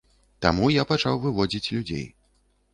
Таму я пачаў выводзіць людзей.